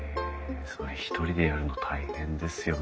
それ一人でやるの大変ですよね。